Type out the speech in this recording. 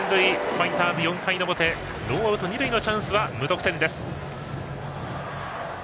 ファイターズ、４回の表ノーアウト、二塁のチャンスは無得点です。